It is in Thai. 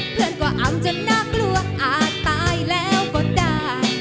เพื่อนก็อำจนน่ากลัวอาจตายแล้วก็ได้